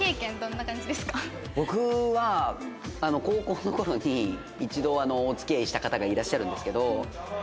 僕は高校の頃に一度お付き合いした方がいらっしゃるんですけど。